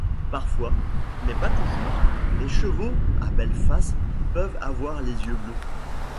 Parfois, mais pas toujours, les chevaux à belle face peuvent avoir les yeux bleus.